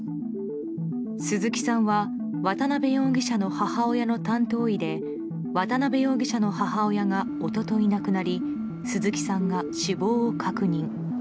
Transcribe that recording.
鈴木さんは渡辺容疑者の母親の担当医で渡辺容疑者の母親が一昨日、亡くなり鈴木さんが死亡を確認。